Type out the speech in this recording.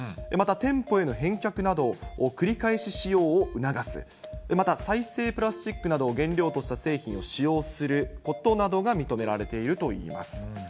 また店舗への返却など、繰り返し使用を促す、また再生プラスチックなどを原料とした製品を使用することなどが認められているといいます。